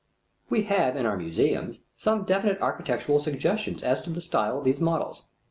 We have in our museums some definite architectural suggestions as to the style of these models.